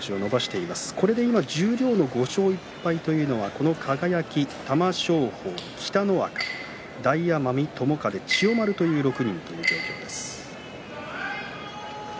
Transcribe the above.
十両の５勝１敗というのはこの輝、玉正鳳、北の若大奄美、友風千代丸という６人です。